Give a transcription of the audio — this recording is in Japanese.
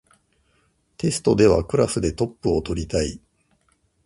テストではクラスでトップを取りたい